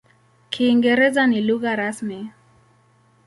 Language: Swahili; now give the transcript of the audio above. Kiingereza ni lugha rasmi.